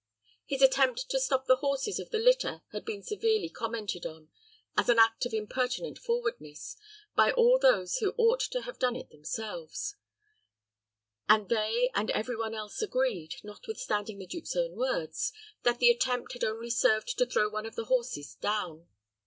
His attempt to stop the horses of the litter had been severely commented on, as an act of impertinent forwardness, by all those who ought to have done it themselves; and they and every one else agreed, notwithstanding the duke's own words, that the attempt had only served to throw one of the horses down.